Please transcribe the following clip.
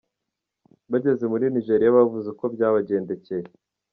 Bageze muri Nigeria bavuze uko byabagendekeye.